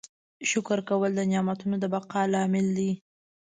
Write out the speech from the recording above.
شکر کول د نعمتونو د بقا لامل دی.